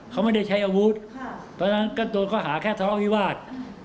เขาไม่ได้ใช้อาวุธตอนนั้นก็หาแค่ทะเลาะวิวาส